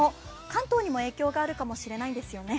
関東にも影響があるかもしれないんですよね。